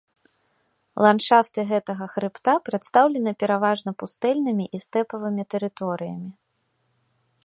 Ландшафты гэтага хрыбта прадстаўлены пераважна пустэльнымі і стэпавымі тэрыторыямі.